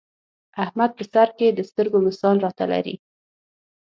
احمد په سرکې د سترګو مثال را ته لري.